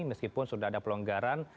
meskipun sudah ada pelonggaran